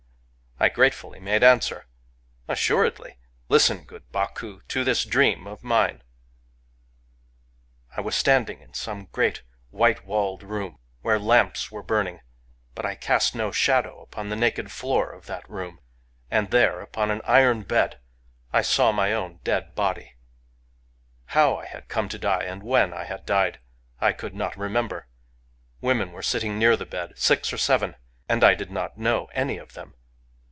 I gratefully made answer: — "Assuredly! ... Listen, good BcHcu, to this dream of mine !— "I was standing in some great white walled room, where lamps were burning; but I cast no Digitized by Googk THE EATER OF DREAMS 249 shadow on the naked floor of that room, — and there, upon an iron bed, I saw my own dead body. How I had come to die, and when I had died, I could not remember. Women were sitting near the bed, — six or seven, — and I did not know any of them.